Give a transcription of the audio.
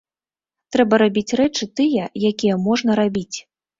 Трэба рабіць рэчы тыя, якія можна рабіць.